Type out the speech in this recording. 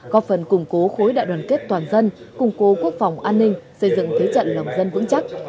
có phần củng cố khối đại đoàn kết toàn dân củng cố quốc phòng an ninh xây dựng thế trận lòng dân vững chắc